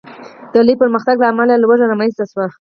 د لوی پرمختګ له امله لوږه رامنځته شوه.